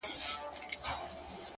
• له نیکه مو اورېدلي څو کیسې د توتکیو ,